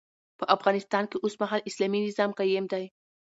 په افغانستان کي اوسمهال اسلامي نظام قايم دی